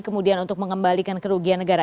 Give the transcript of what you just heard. kemudian untuk mengembalikan kerugian negara